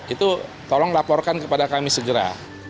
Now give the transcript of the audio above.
itu tolong laporkan kepada kami segera